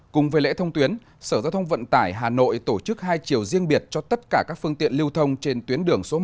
cùng với lễ thông tuyến sở giao thông vận tải hà nội tổ chức hai chiều riêng biệt cho tất cả các phương tiện lưu thông trên tuyến đường số một